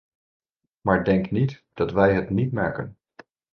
Maar denk niet dat wij het niet merken.